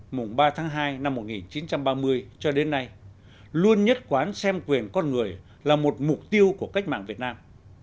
mùng ba tháng hai năm một nghìn chín trăm ba mươi cho đến nay luôn nhất quán xem quyền con người là một mục tiêu của cách mạng việt nam